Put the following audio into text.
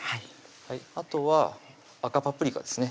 あとは赤パプリカですね